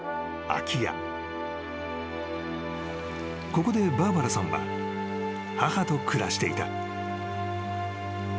［ここでバーバラさんは母と暮らしていた］